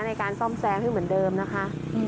ในการซ่อมแซมให้เหมือนเดิมนะคะ